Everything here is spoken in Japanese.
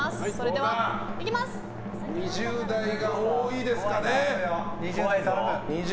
２０代が多いですかね。